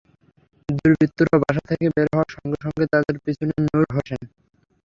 দুর্বৃত্তরা বাসা থেকে বের হওয়ার সঙ্গে সঙ্গে তাদের পিছু নেন নূর হোসেন।